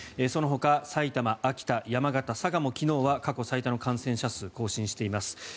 そのほか埼玉、秋田、山形、佐賀も昨日は過去最多の感染者数を更新しています。